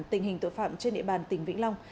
tình hình tội phạm trên địa bàn tỉnh vĩnh long